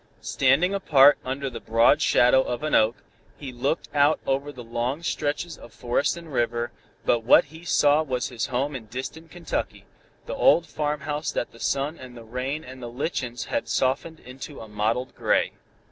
Standing apart under the broad shadow of an oak, he looked out over long stretches of forest and river, but what he saw was his home in distant Kentucky the old farmhouse that the sun and the rain and the lichens had softened into a mottled gray.